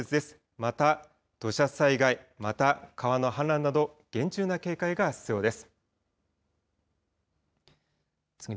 また、土砂災害、また川の氾濫など厳重な警戒が必要です。